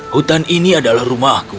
hutan ini adalah rumahku